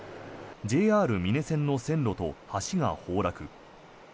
ＪＲ美祢線の線路と橋が崩落。